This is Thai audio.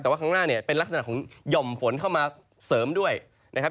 แต่ว่าข้างหน้าเนี่ยเป็นลักษณะของหย่อมฝนเข้ามาเสริมด้วยนะครับ